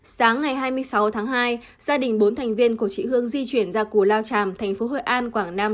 sáng ngày hai mươi sáu tháng hai gia đình bốn thành viên của chị hương di chuyển ra cù lao tràm thành phố hội an quảng nam